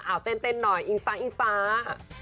อ้าวเต้นหน่อยอิงฟา